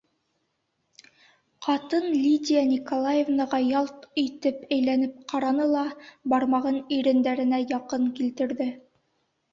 Ҡатын Лидия Николаевнаға ялт итеп әйләнеп ҡараны ла, бармағын ирендәренә яҡын килтерҙе.